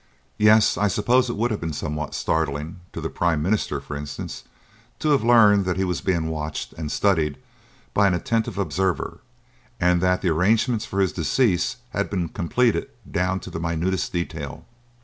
"Yes; I suppose it would have been somewhat startling, to the Prime Minister, for instance, to have learned that he was being watched and studied by an attentive observer and that the arrangements for his decease had been completed down to the minutest detail.